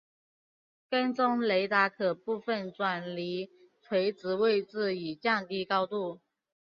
跟踪雷达可部分转离垂直位置以降低高度。